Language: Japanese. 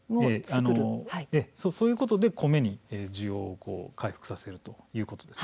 そういうことで米に需要を回復させるということです。